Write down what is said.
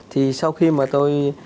thì sau khi mà tôi